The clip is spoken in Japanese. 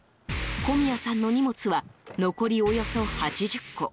小宮さんの荷物は残りおよそ８０個。